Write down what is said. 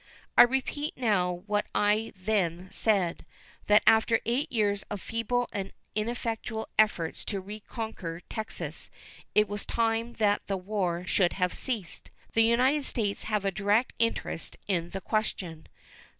I repeat now what I then said, that after eight years of feeble and ineffectual efforts to reconquer Texas it was time that the war should have ceased. The United States have a direct interest in the question.